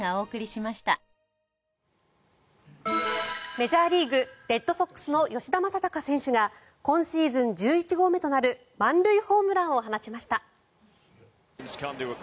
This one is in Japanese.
メジャーリーグレッドソックスの吉田正尚選手が今シーズン１１号目となる満塁ホームランを放ちました。